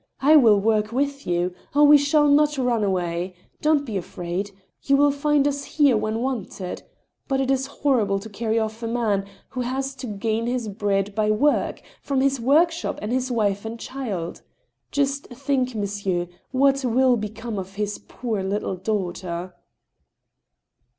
... I will work with you. Oh, we shall not run away ! Don't be afraid. You will find us here when wanted. But it is horrible to carry off a man, who has to g^n his bread by work, from his work shop and his wife and child. Just think, monsieur, what will be come of his poor little daughter